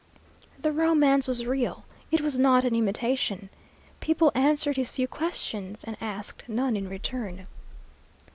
The romance was real; it was not an imitation. People answered his few questions and asked none in return.